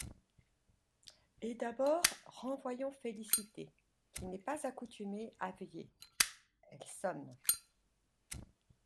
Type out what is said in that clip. Et d’abord renvoyons Félicité, qui n’est pas accoutumée à veiller. elle sonne.